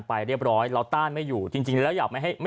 ไปเรียบร้อยเราต้านไม่อยู่จริงแล้วอยากไม่ให้